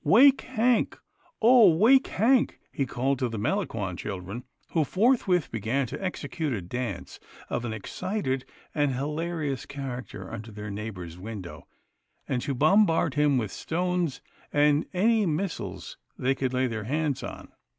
" Wake Hank, oh wake Hank !" he called to the Melangon children, who forthwith began to execute a dance of an excited and hilarious character under their neighbour's window, and to bombard him with stones, and any missiles they could lay their hands on.